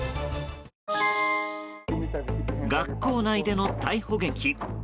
学校内での逮捕劇。